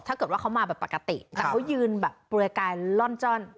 ถ้าเกิดว่าเขามาแบบปกติแต่เขายืนแบบบริการล่อนจ้อน